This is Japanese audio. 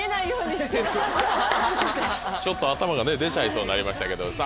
ちょっと頭がね出ちゃいそうになりましたけど。